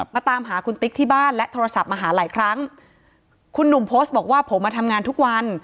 มาตามหาคุณติ๊กที่บ้านและโทรศัพท์มาหาหลายครั้งคุณหนุ่มโพสต์บอกว่าผมมาทำงานทุกวัน